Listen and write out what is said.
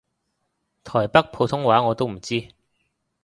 台北普通話我都唔知